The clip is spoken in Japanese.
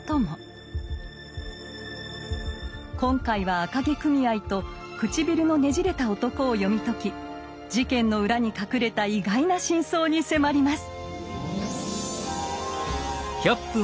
今回は「赤毛組合」と「唇のねじれた男」を読み解き事件の裏に隠れた意外な真相に迫ります！